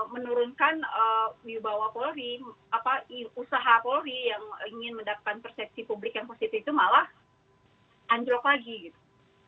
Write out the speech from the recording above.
menurunkan di bawah polri usaha polri yang ingin mendapatkan persepsi publik yang positif itu malah anjlok lagi gitu